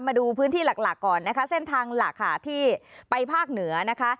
มาดูพื้นที่หลักก่อนนะคะเส้นทางหลักค่ะที่ไปภาคเหนือนะคะ